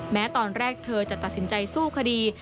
แม้ตอนแรกเธอจะตัดสินใจสู้คดี